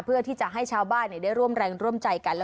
เพื่อที่จะให้ชาวบ้านได้ร่วมแรงร่วมใจกัน